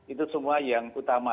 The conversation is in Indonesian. itu semua yang utama